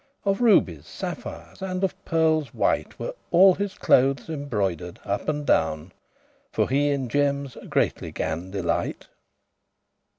Of rubies, sapphires, and of pearles white Were all his clothes embroider'd up and down, For he in gemmes greatly gan delight.